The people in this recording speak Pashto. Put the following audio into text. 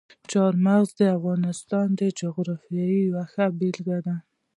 چار مغز د افغانستان د جغرافیې یوه ښه بېلګه ده.